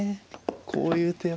こういう手は。